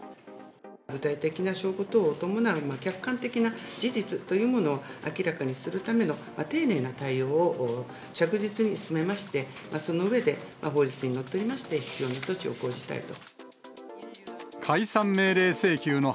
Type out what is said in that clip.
具体的な証拠等を伴う客観的な事実というものを明らかにするための丁寧な対応を着実に進めまして、その上で、法律にのっとりまして必要な措置を講じたいと。